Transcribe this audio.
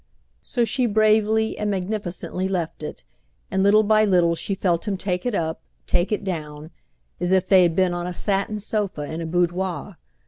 So she bravely and magnificently left it, and little by little she felt him take it up, take it down, as if they had been on a satin sofa in a boudoir.